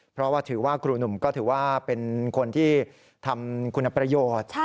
เพราะว่าถือว่าครูหนุ่มก็ถือว่าเป็นคนที่ทำคุณประโยชน์